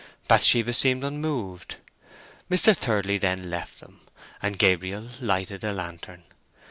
Bathsheba seemed unmoved. Mr. Thirdly then left them, and Gabriel lighted a lantern.